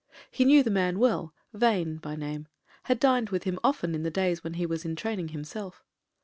He knew the man well, Vane, by name — had dined with him often in the days when he was in training himself.